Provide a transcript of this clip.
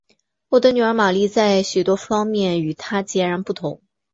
我的女儿玛丽在许多方面与她则截然不同。